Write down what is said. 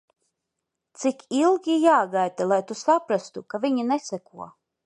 Cik ilgi jāgaida, lai tu saprastu, ka viņi neseko?